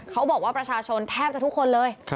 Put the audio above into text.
เขาบอกว่าประชาชนแทบจะทุกคนเลย